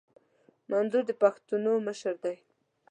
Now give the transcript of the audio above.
منظور د پښتنو مشر دي